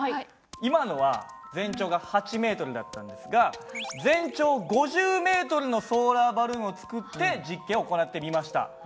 今のは全長が８ｍだったんですが全長５０ｍのソーラーバルーンを作って実験を行ってみました。